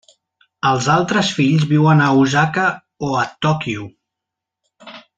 Els altres fills viuen a Osaka o a Tòquio.